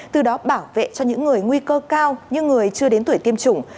từ đó bảo vệ cho những người nguy cơ cao như người chưa đến tuổi tiêm chủng